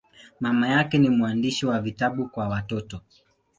Mama yake ni mwandishi wa vitabu kwa watoto.